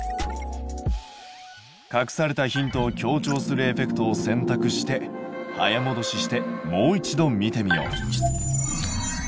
隠されたヒントを強調するエフェクトを選択して早もどししてもう一度見てみよう。